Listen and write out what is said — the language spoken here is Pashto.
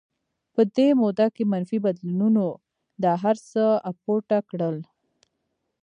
په دې موده کې منفي بدلونونو دا هرڅه اپوټه کړل